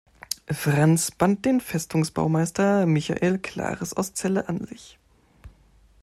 Franz band den Festungsbaumeister Michael Clare aus Celle an sich.